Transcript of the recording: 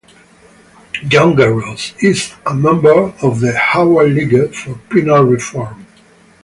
Younger-Ross is a member of the Howard League for Penal Reform.